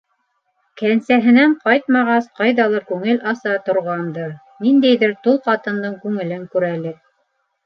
Кәнсәһенән ҡайтмағас, ҡайҙалыр күңел аса торғандыр, ниндәйҙер тол ҡатындың күңелен күрәлер...